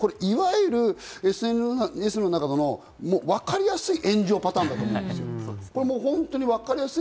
いわゆるＳＮＳのわかりやすい炎上パターンだと思う。